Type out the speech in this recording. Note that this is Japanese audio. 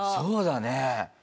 そうだね。